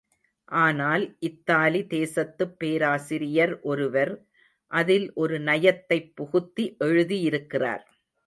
ஆனால் இத்தாலி தேசத்துப் பேராசிரியர் ஒருவர், அதில் ஒரு நயத்தைப் புகுத்தி எழுதியிருக்கிறார்.